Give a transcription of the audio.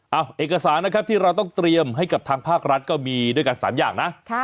เอาเอกสารนะครับที่เราต้องเตรียมให้กับทางภาครัฐก็มีด้วยกัน๓อย่างนะ